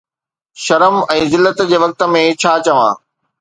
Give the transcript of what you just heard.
شرم ۽ ذلت جي وقت ۾ ڇا چوان؟